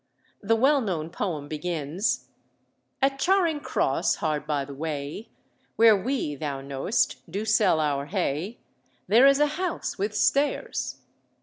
The well known poem begins "At Charing cross, hard by the way Where we (thou know'st) do sell our hay, There is a house with stairs."